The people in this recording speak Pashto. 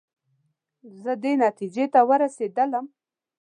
زه دې نتیجې ته رسېدلی یم.